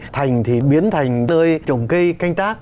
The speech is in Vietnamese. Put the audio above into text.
thành thì biến thành nơi trồng cây canh tác